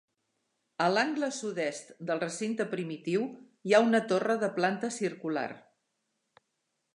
A l'angle sud-est del recinte primitiu hi ha una torre de planta circular.